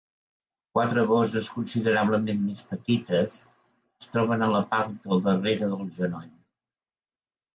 Quatre bosses considerablement més petites es troben a la part del darrere del genoll.